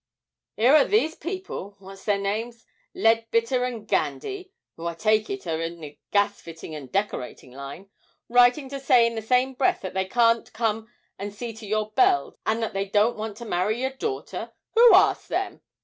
''Ere are these people what's their names? Leadbitter and Gandy (who I take it are in the gas fitting and decorating line) writing to say in the same breath that they can't come and see to your bells, and they don't want to marry your daughter. Who asked them?